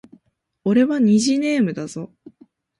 俺は虹ネームだぞ